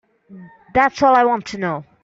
That's all I want to know.